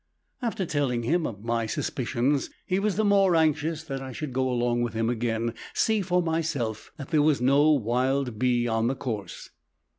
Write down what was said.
After telling him of my suspicions, he was the more anxious that I should go along with him again and see for myself that there was no wild bee on the course.